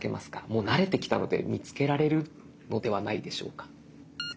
もう慣れてきたので見つけられるのではないでしょうか。